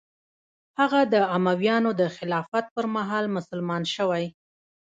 هغه د امویانو د خلافت پر مهال مسلمان شوی.